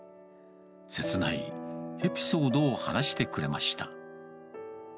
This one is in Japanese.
切ないエピソードを話してくれました。